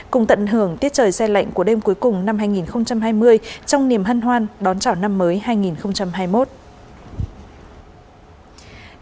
cùng tận hưởng tiết trời xe lạnh của đêm cuối cùng năm hai nghìn hai mươi trong niềm hân hoan đón chào năm mới hai nghìn hai mươi một